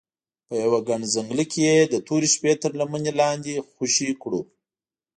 په یوه ګڼ ځنګله کې یې د تورې شپې تر لمنې لاندې خوشې کړو.